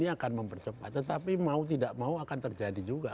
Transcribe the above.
ini akan mempercepat tetapi mau tidak mau akan terjadi juga